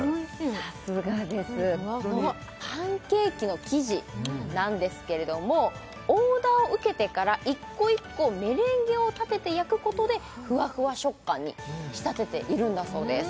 さすがですパンケーキの生地なんですけれどもオーダーを受けてから一個一個メレンゲを立てて焼くことでふわふわ食感に仕立てているんだそうです